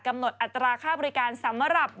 กำหนดอัตราค่าบริการสำหรับ